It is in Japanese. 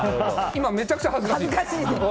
いま、めちゃくちゃ恥ずかしいですよ。